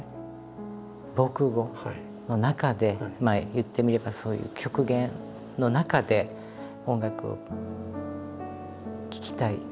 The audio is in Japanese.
防空壕の中で言ってみればそういう極限の中で音楽を聴きたい。